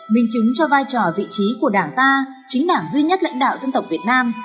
minh chứng cho vai trò vị trí của đảng ta chính đảng duy nhất lãnh đạo dân tộc việt nam